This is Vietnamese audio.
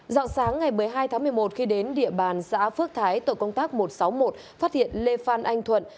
dọng sáng ngày một mươi hai tháng một mươi một khi đến địa bàn xã phước thái tổ công tác một trăm sáu mươi một phát hiện lê phan anh thuận